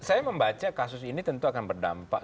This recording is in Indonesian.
saya membaca kasus ini tentu akan berdampak